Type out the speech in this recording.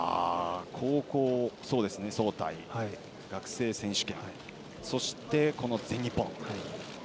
高校総体、学生選手権そして、この全日本。